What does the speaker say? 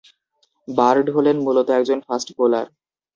Bird হলেন মূলত একজন ফাস্ট বোলার।